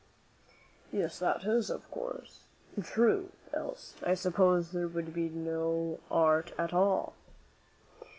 "Yes, that is, of course, true; else, I suppose, there would be no art at all."